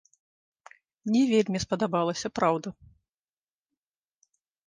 Не вельмі спадабалася, праўда.